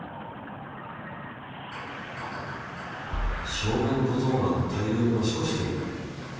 小便小僧が大量におしっこしてる。